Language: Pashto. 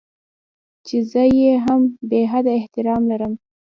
چې زه يې هم بې حده احترام لرم.